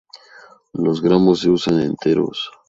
Los granos se usan enteros.